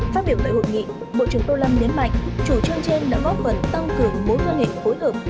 phát biểu tại hội nghị bộ trưởng tô lâm nhấn mạnh chủ trương trên đã góp phần tăng cường mối quan hệ phối hợp